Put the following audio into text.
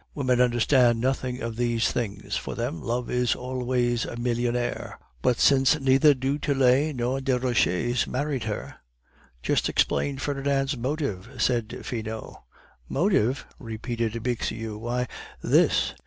Women understand nothing of these things; for them, love is always a millionaire." "But since neither du Tillet nor Desroches married her; just explain Ferdinand's motive," said Finot. "Motive?" repeated Bixiou; "why, this.